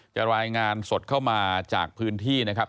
รายงานสดเข้ามาจากพื้นที่นะครับ